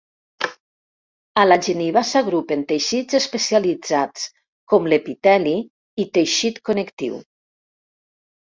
A la geniva s'agrupen teixits especialitzats, com l'epiteli i teixit connectiu.